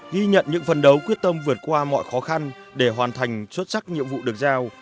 ghi nhận những phần đấu quyết tâm vượt qua mọi khó khăn để hoàn thành xuất sắc nhiệm vụ được giao